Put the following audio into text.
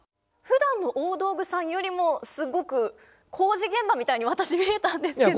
ふだんの大道具さんよりもすごく工事現場みたいに私見えたんですけど。